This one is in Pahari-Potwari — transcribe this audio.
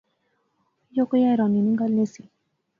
یو کوئی حیرانی نی گل نہسی